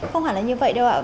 không hẳn là như vậy đâu ạ